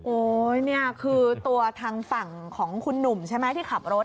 โอ๊ยนี่คือตัวทางฝั่งของคุณหนุ่มที่ขับรถ